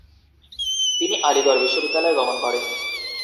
তিনি আলীগড় বিশ্ববিদ্যালয় গমন করেন।